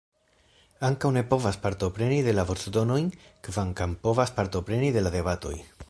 Ankaŭ ne povas partopreni de la voĉdonojn, kvankam povas partopreni de la debatoj.